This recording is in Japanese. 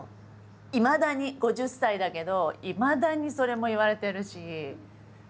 いまだに５０歳だけどいまだにそれも言われてるし。